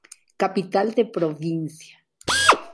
Capital de provincia.